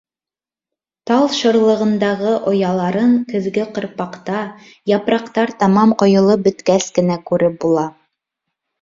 Тал шырлығындағы ояларын көҙгө ҡырпаҡта, япраҡтар тамам ҡойолоп бөткәс кенә күреп була.